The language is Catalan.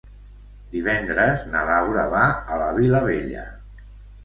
Divendres na Laura va a la Vilavella.